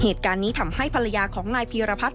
เหตุการณ์นี้ทำให้ภรรยาของนายพีรพัฒน